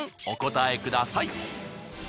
お答えください。